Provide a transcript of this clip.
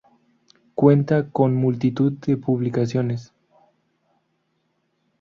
Cuenta con multitud de publicaciones.